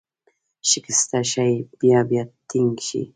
شکسته شي، بیا بیا ټینګ شي.